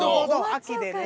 秋でね。